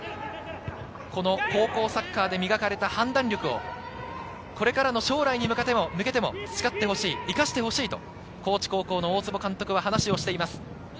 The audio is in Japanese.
この高校サッカーで磨かれた判断力をこれからの将来に向けても培ってほしい、生かしてほしいと高知高校の大坪監督は話をしています。